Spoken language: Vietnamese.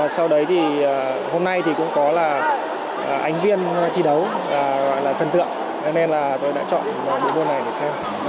sau đấy thì hôm nay thì cũng có là ánh viên thi đấu gọi là thần tượng cho nên là tôi đã chọn bộ môn này để xem